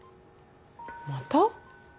また？